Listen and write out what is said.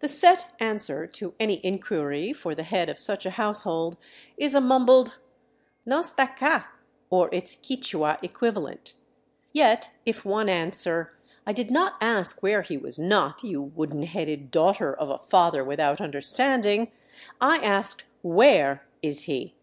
The set answer to any inquiry for the head of such a household is a mumbled, " No 'sta 'ca," or its Quichua equivalent. Yet if one answer, " I did not ask where he was not, you wooden headed daughter of a father without understanding; I asked, where is he?"